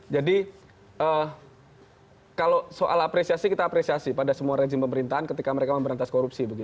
jadi kalau soal apresiasi kita apresiasi pada semua rezim pemerintahan ketika mereka memberantas korupsi